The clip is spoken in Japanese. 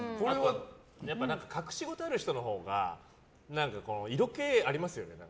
隠し事がある人のほうが色気ありますよね。